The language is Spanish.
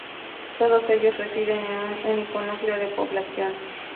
Todos ellos residen en un único núcleo de población.